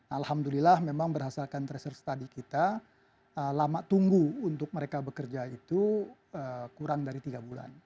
alhamdulillah memang berdasarkan tracer study kita lama tunggu untuk mereka bekerja itu kurang dari tiga bulan